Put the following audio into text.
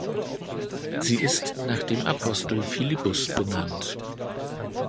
Sie ist nach dem Apostel Philippus benannt.